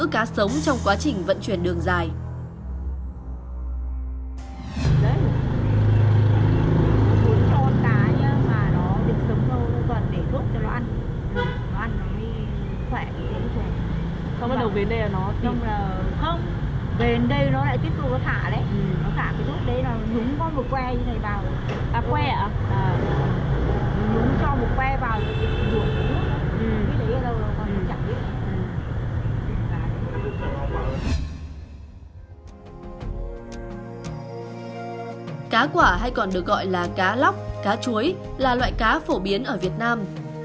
cá quả hay còn được gọi là cá lóc cá chuối là loại cá phổ biến ở việt nam